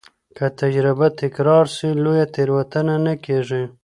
که تجربه تکرار سي، لویه تېروتنه نه کېږي.